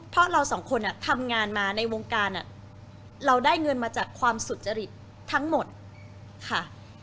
เพราะเราสองคนทำงานมาในวงการเราได้เงินมาจากความสุจริตทั้งหมดค่ะ